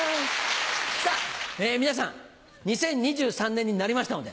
さぁ皆さん２０２３年になりましたので